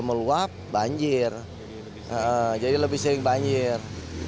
meluap banjir jadi lebih sering banjir